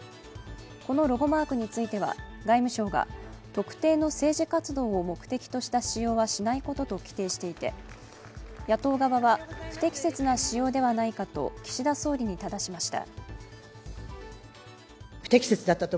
このロゴマークについては外務省が特定の政治活動を目的とした使用はしないことと規定していて野党側は不適切な使用ではないかと岸田総理にただしました。